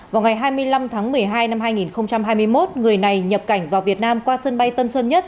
vào ngày hai mươi năm tháng một mươi hai năm hai nghìn hai mươi một người này nhập cảnh vào việt nam qua sân bay tân sơn nhất